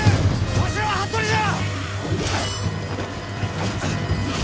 わしらは服部じゃ！